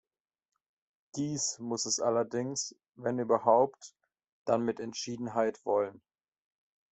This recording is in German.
Dies muss es allerdings, wenn überhaupt, dann mit Entschiedenheit wollen.